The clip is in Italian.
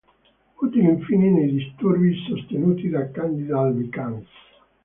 Utile infine nei disturbi sostenuti da Candida albicans.